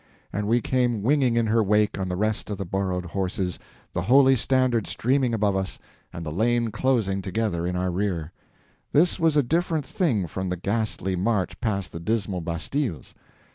and we came winging in her wake on the rest of the borrowed horses, the holy standard streaming above us, and the lane closing together in our rear. This was a different thing from the ghastly march past the dismal bastilles.